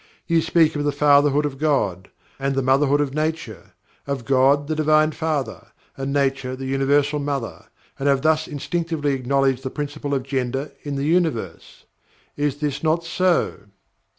You speak of the Fatherhood of God, and the Motherhood of Nature of God, the Divine Father, and Nature the Universal Mother and have thus instinctively acknowledged the Principle of Gender in the Universe. Is this not so?